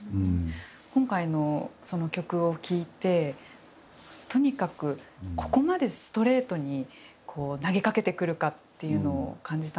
今回の曲を聴いてとにかくここまでストレートに投げかけてくるかっていうのを感じたんですよね。